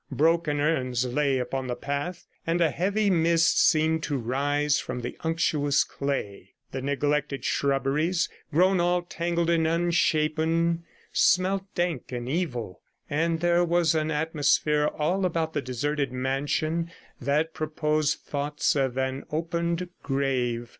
Broken urns lay upon the path, and a heavy mist seemed to rise from the unctuous clay; the neglected shrubberies, grown all tangled and unshapen, smelt dank and evil, and there was an atmosphere all about the deserted mansion that proposed thoughts of an opened grave.